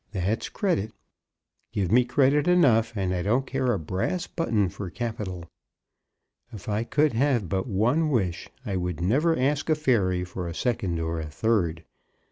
That's credit. Give me credit enough, and I don't care a brass button for capital. If I could have but one wish, I would never ask a fairy for a second or a third.